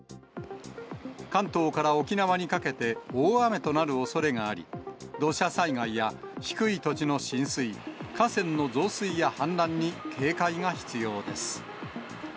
関東から沖縄にかけて大雨となるおそれがあり、土砂災害や低い土地の浸水、河川の増水や氾濫に警戒が必要です。